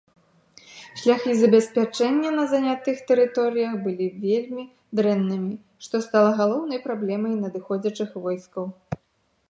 Шляхі забеспячэння на занятых тэрыторыях былі вельмі дрэннымі, што стала галоўнай праблемай надыходзячых войскаў.